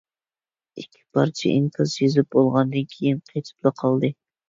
ئىككى پارچە ئىنكاس يېزىپ بولغاندىن كېيىن قېتىپلا قالدى.